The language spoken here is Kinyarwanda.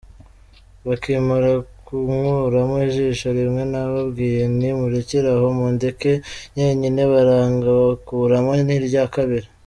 Bakimara kunkuramo ijisho rimwe nababwiye nti murekeraho mundeke njyenyine baranga, bakuramo n’irya kabiri.